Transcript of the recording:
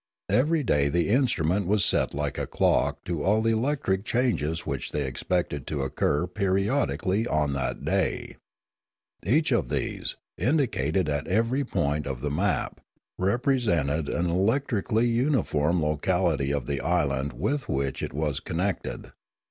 Every day the in The Lilaran 179 strument was set like a clock to all the electric changes which they expected to occur periodically on that day. Bach of these, indicated at every point of the map, re presented an electrically uniform locality of the island with which it was connected.